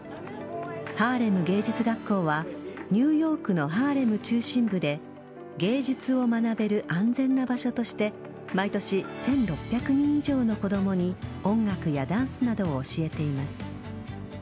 ハーレム芸術学校はニューヨークのハーレム中心部で芸術を学べる安全な場所として毎年１６００人以上の子供に音楽やダンスなどを教えています。